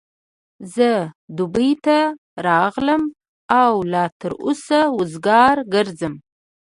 زه دبۍ ته راغلم او لا تر اوسه وزګار ګرځم.